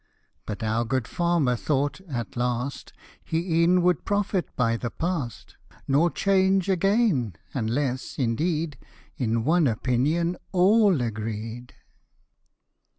But our good farmer thought at last, He e'en would profit by the past ; Nor change again, unless, indeed, In one opinion all agreed.